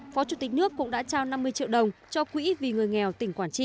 phó chủ tịch nước cũng đã trao năm mươi triệu đồng cho quỹ vì người nghèo tỉnh quảng trị